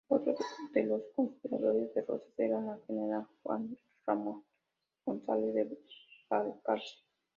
Otro de los conspiradores de Rosas eran el general Juan Ramón González de Balcarce.